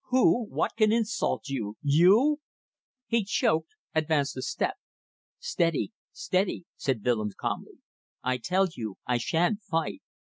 "Who what can insult you ... you ..." He choked, advanced a step. "Steady! steady!" said Willems calmly. "I tell you I sha'n't fight.